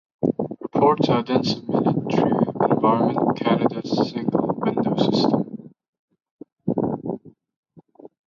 Reports are then submitted through Environment Canada's single window system.